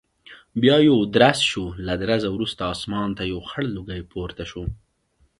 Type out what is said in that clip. بیا یو درز شو، له درزه وروسته اسمان ته یو خړ لوګی پورته شو.